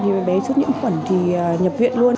thì bé sốt những khuẩn thì nhập viện luôn